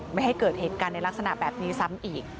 ไม่ให้เกิดเหตุการณ์ในลักษณะแบบนี้ซ้ำอีก